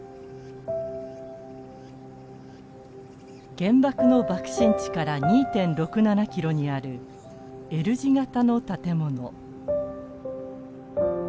原爆の爆心地から２．６７ｋｍにあるＬ字型の建物。